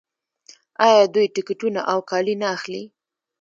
آیا دوی ټکټونه او کالي نه اخلي؟